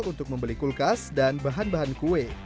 untuk membeli kulkas dan bahan bahan kue